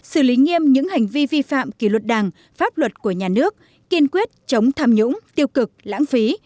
xử lý nghiêm những hành vi vi phạm kỳ luật đảng pháp luật của nhà nước kiên quyết chống tham nhũng tiêu cực lãng phí